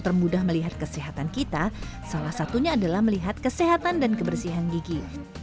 termudah melihat kesehatan kita salah satunya adalah melihat kesehatan dan kebersihan gigi